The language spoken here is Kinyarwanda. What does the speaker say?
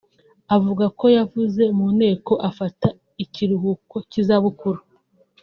avuga ko yavuye mu nteko afata ikiruhuko cy’izabukuru